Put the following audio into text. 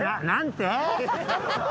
何て？